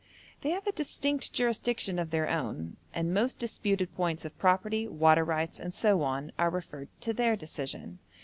They have a distinct jurisdiction of their own, and most disputed points of property, water rights, and so on, are referred to their decision.